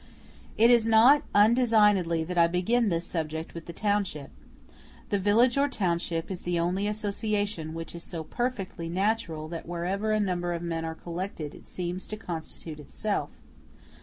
It is not undesignedly that I begin this subject with the Township. The village or township is the only association which is so perfectly natural that wherever a number of men are collected it seems to constitute itself.